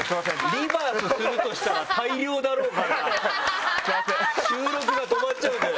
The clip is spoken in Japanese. リバースするとしたら大量だろうから収録が止まっちゃう。